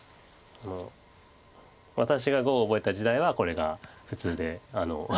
私が碁を覚えた時代はこれが普通で。